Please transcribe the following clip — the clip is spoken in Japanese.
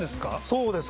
そうです。